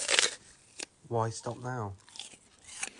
Why stop now?